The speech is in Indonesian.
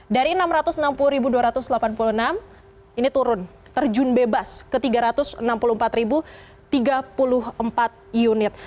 dari enam ratus enam puluh dua ratus delapan puluh enam ini turun terjun bebas ke tiga ratus enam puluh empat tiga puluh empat unit